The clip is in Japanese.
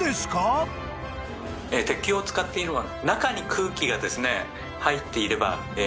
鉄球を使っているのは。